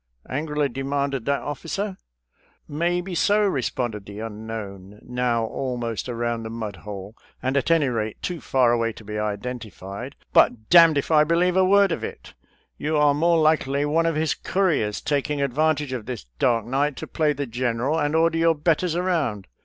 " angrily demanded that officer. " Maybe so," re sponded the unknown, now almost around the mudhole, and at any rate too far away to be identified, " but d —— d if I believe a word of it. You are more likely one of his couriers, taking advantage of this dark night to play the general and order your betters around.